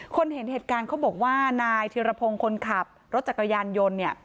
เห็นเหตุการณ์เขาบอกว่านายธิรพงศ์คนขับรถจักรยานยนต์เนี่ย